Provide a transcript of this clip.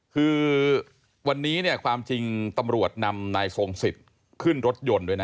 คือวันนี้เนี่ยความจริงตำรวจนำนายทรงสิทธิ์ขึ้นรถยนต์ด้วยนะ